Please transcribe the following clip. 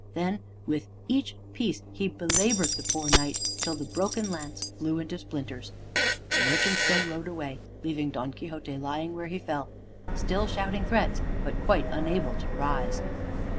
Then with each piece he belabored the poor Knight till the broken lance flew into splinters. The merchants then rode away, leaving Don Quixote lying where he fell, still shouting threats, but quite unable to rise.